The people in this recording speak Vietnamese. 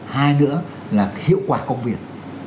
hai nữa là hiệu quả công việc